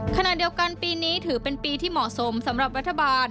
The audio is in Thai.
ขณะเดียวกันปีนี้ถือเป็นปีที่เหมาะสมสำหรับรัฐบาล